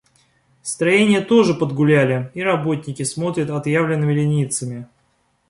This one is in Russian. Строения тоже подгуляли, и работники смотрят отъявленными ленивцами.